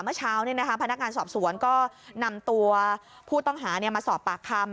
เมื่อเช้านี้นะคะพนักการสอบสวนก็นำตัวผู้ต้องหาเนี่ยมาสอบปากคำ